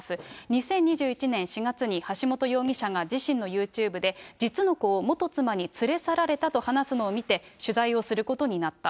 ２０２１年４月に、橋本容疑者が自身のユーチューブで、実の子を元妻に連れ去られたと話すのを見て、取材をすることになった。